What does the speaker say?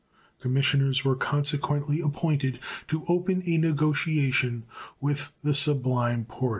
Commissioners were consequently appointed to open a negotiation with the Sublime Porte.